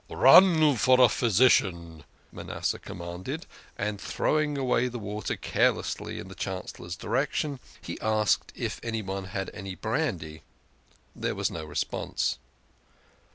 " Run for a physician," Manasseh commanded, and throw ing away the water carelessly, in the Chancellor's direction, he asked if anyone had any brandy. There was no response.